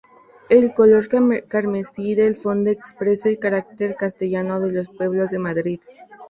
El color carmesí del fondo expresa el carácter castellano de los pueblos de Madrid.